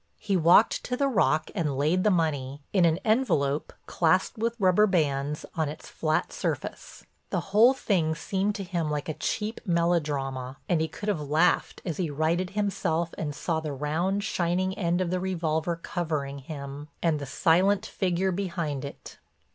He walked to the rock and laid the money, in an envelope clasped with rubber bands, on its flat surface. The whole thing seemed to him like a cheap melodrama and he could have laughed as he righted himself and saw the round, shining end of the revolver covering him, and the silent figure behind it.